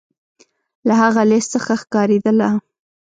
له هغه لیست څخه ښکارېدله.